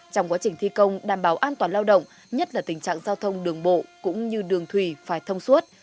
trong quá trình thi công đảm bảo an toàn lao động nhất là tình trạng giao thông đường bộ cũng như đường thủy phải thông suốt